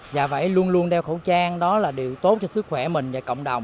và phải luôn luôn đeo khẩu trang đó là điều tốt cho sức khỏe mình và cộng đồng